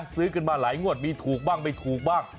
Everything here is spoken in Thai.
ซื้อกันมาหลายงวดมีถูกบ้างไม่ถูกบ้าง